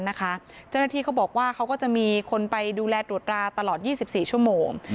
เจ้าหน้าที่เขาบอกว่าเขาก็จะมีคนไปดูแลตรวจราตลอด๒๔ชั่วโมง